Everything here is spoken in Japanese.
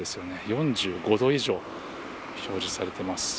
４５度以上と表示されています。